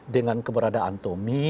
dengan keberadaan tomi